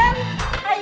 selamat datang kembali